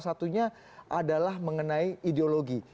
satunya adalah mengenai ideologi